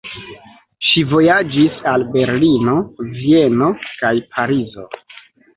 Ŝi vojaĝis al Berlino, Vieno kaj Parizo.